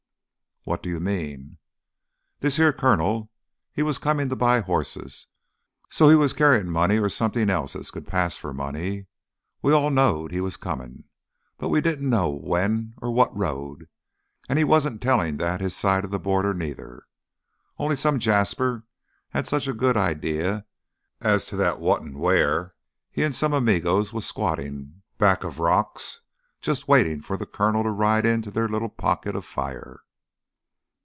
"What do you mean?" "This here Coronel, he was comin' to buy hosses an' so he was carryin' money or else somethin' as could pass for money. We all knowed he was comin'. But we didn't know when or what road, an' he wasn't tellin' that his side of th' border neither. Only some jasper had such a good idea as to that what an' where, he an' some amigos was squattin' back of rocks jus' waitin' for th' Coronel to ride into their little pocket of fire."